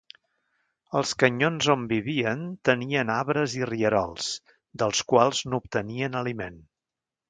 Els canyons on vivien tenien arbres i rierols, dels quals n'obtenien aliment.